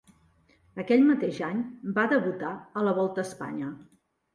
Aquell mateix any va debutar a la Volta a Espanya.